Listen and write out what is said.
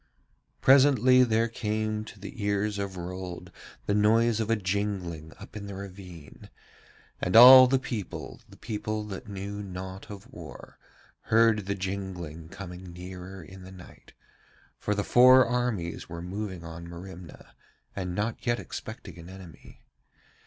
Presently there came to the ears of Rold the noise of a jingling up in the ravine, and all the people, the people that knew naught of war, heard the jingling coming nearer in the night; for the four armies were moving on Merimna and not yet expecting an enemy.